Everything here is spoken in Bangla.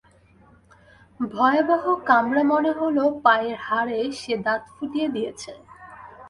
ভয়াবহ কামড়া মনে হল পায়ের হাড়ে সে দাঁত ফুটিয়ে দিয়েছে।